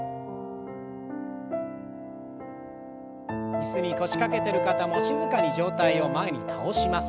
椅子に腰掛けてる方も静かに上体を前に倒します。